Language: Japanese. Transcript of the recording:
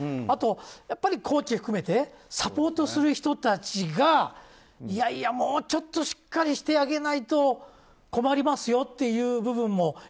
あと、コーチ含めてサポートする人たちがいやいや、もうちょっとしっかりしてあげないと困りますよっていう部分も。